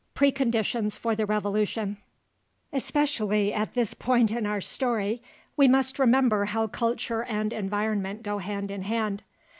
PRECONDITIONS FOR THE REVOLUTION Especially at this point in our story, we must remember how culture and environment go hand in hand.